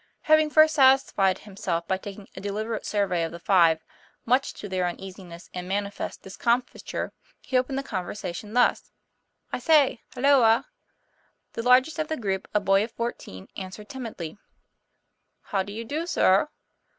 Having first satisfied himself by taking a deliber ate survey of the five, much to their uneasiness and manifest discomfiture, he opened the conversation thus: "I say, halloa!" The largest of the group, a boy about fourteen, answered timidly: ' How do you do, sir?"